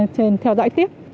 trên theo dõi tiếp